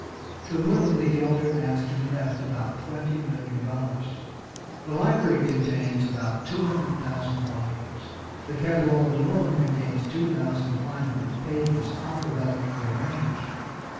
to whom the elder Astor left about $20,000,000. The library contains about two hundred thousand volumes, the catalogue alone contains two thousand five hundred pages alphabetically arranged.